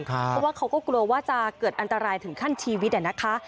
เพราะว่าเขาก็กลัวว่าจะเกิดอันตรายถึงขั้นชีวิตนะคะ